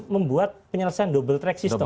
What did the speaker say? membuat penyelesaian double track system